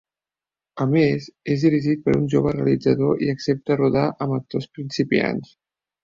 A més, és dirigit per un jove realitzador i accepta rodar amb actors principiants.